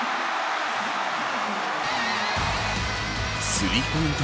スリーポイント